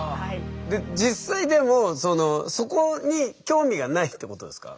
で実際でもそこに興味がないってことですか？